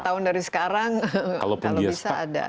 lima tahun dari sekarang kalau bisa ada